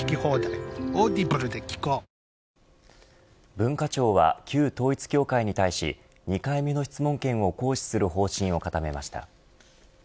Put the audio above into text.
文化庁は旧統一教会に対し２回目の質問権を行使する方針を固めました。